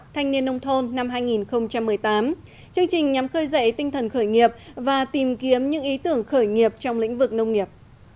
thanh niên nông thôn năm hai nghìn một mươi tám chương trình nhằm khơi dậy tinh thần khởi nghiệp và tìm kiếm những ý tưởng khởi nghiệp trong lĩnh vực nông nghiệp